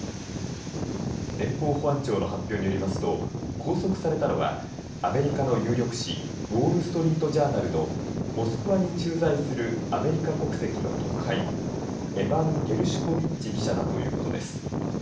連邦保安庁の発表によりますと拘束されたのはアメリカの有力紙ウォール・ストリート・ジャーナルのモスクワに駐在するアメリカ国籍の特派員エバン・ゲルシュコビッチ記者だということです。